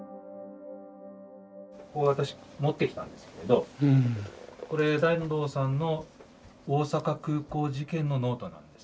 私持ってきたんですけれどこれ團藤さんの大阪空港事件のノートなんです。